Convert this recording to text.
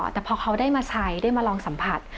แต่พอเขาได้มาใช้ได้มาลองสัมผัส